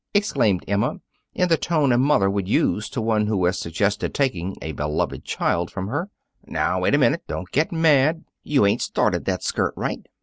exclaimed Emma, in the tone a mother would use to one who has suggested taking a beloved child from her. "Now wait a minute. Don't get mad. You ain't started that skirt right.